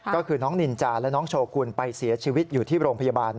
ก็คือน้องนินจาและน้องโชกุลไปเสียชีวิตอยู่ที่โรงพยาบาล